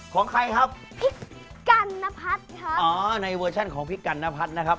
ของใครครับพริกกัณฑัตครับอ๋อในเวอร์ชั่นของพริกกัณฑัตนะครับ